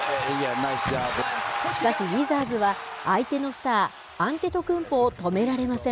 しかし、ウィザーズは相手のスター、アンテトクンポを止められません。